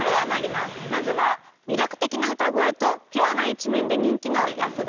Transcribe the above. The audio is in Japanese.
まずは魅力的な歌声とピュアな一面で人気の安田章大さん。